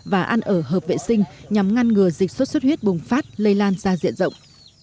và ăn ở hợp vệ sinh nhằm ngăn ngừa dịch xuất xuất huyết bùng phát lây lan ra diện rộng